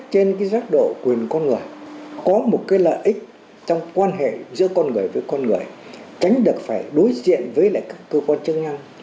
trên cái giác độ quyền con người có một cái lợi ích trong quan hệ giữa con người với con người tránh được phải đối diện với các cơ quan chức năng